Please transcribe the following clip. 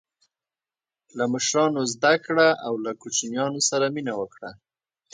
له مشرانو زده کړه او له کوچنیانو سره مینه وکړه.